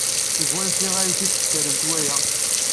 Seg wansi ay d-teskeflemt aya?